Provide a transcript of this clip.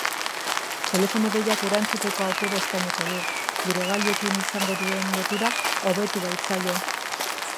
Telefono-deiak erantzuteko aukera eskainiko du, gure gailuekin izango duen lotura hobetu baitzaio.